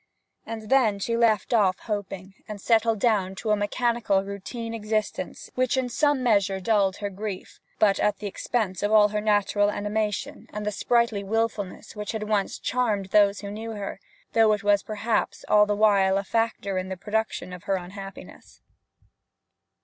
And then she left off hoping, and settled down to a mechanical routine of existence which in some measure dulled her grief; but at the expense of all her natural animation and the sprightly wilfulness which had once charmed those who knew her, though it was perhaps all the while a factor in the production of her unhappiness.